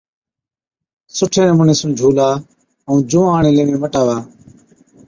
سُٺي نمُوني سُون جھُولا ائُون جُوئان هاڙين ليوين مٽاوا۔